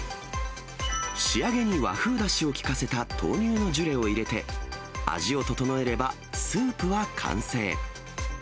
仕上げに和風だしを利かせた豆乳のジュレを入れて、味を調えればスープは完成。